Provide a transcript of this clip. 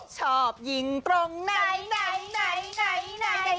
ชอบยิงตรงไหนไหน